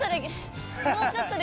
もうちょっとで。